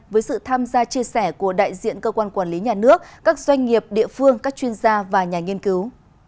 với sự tham gia chia sẻ của đại diện cơ quan quản lý nhà nước các doanh nghiệp địa phương các chuyên gia và nhà nghiên cứu